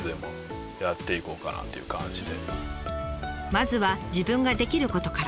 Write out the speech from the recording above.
まずは自分ができることから。